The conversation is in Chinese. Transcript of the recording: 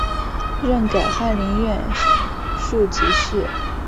任改翰林院庶吉士。